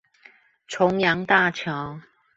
重陽大橋